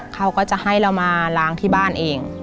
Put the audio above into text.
เขาก็จะให้เรามาล้างที่บ้านเอง